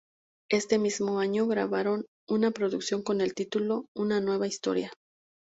Este mismo año grabaron una producción con el título "Una nueva historia".